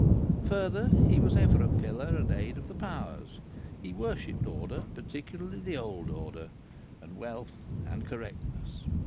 Further, he was ever a pillar and aid of the powers. He worshipped order, particularly the old order, and wealth and correctness.